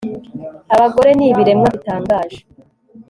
abagore ni ibiremwa bitangaje